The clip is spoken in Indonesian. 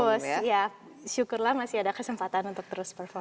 terus ya syukurlah masih ada kesempatan untuk terus perform